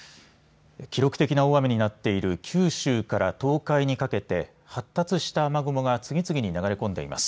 記録的な大雨になっている九州から東海にかけて発達した雨雲が次々に流れ込んでいます。